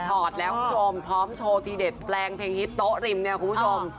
ถอดแล้วคุณผู้ชมพร้อมโชว์ทีเด็ดแปลงเพลงฮิตโต๊ะริมเนี่ยคุณผู้ชม